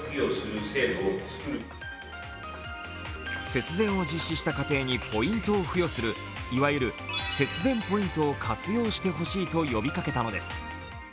節電を実施した家庭にポイントを付与するいわゆる節電ポイントを活用して欲しいと呼びかけたのです。